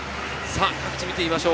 各地見てみます。